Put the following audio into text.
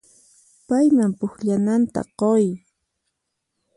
Payman pukllananta quy.